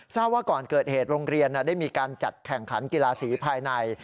ว่าก่อนเกิดเหตุโรงเรียนได้มีการจัดแข่งขันกีฬาสีภายใน